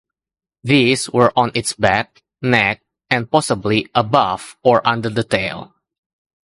These were on its back, neck, and possibly above or under the tail.